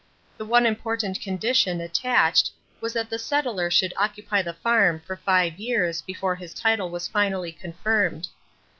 The one important condition attached was that the settler should occupy the farm for five years before his title was finally confirmed.